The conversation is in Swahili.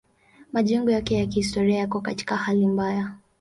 Majengo yake ya kihistoria yako katika hali mbaya.